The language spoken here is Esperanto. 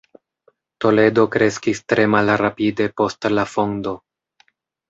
Toledo kreskis tre malrapide post la fondo.